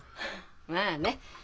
まあね。